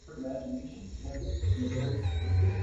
He went on to produce different genre films in Mollywood.